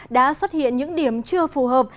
đã xuất hiện những điểm chưa phù hợp